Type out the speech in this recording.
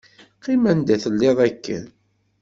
Qqim anda i telliḍ akken.